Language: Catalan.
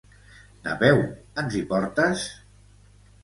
Napeu, ens hi portes?